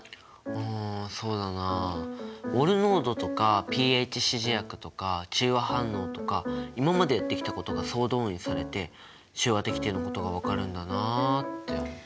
あそうだな。モル濃度とかｐＨ指示薬とか中和反応とか今までやってきたことが総動員されて中和滴定のことがわかるんだなあって思った。